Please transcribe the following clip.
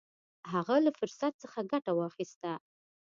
هغه له فرصت څخه ګټه واخیسته.